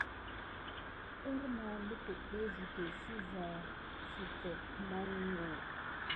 Hərma lukutu suke ziza siɗefet monko.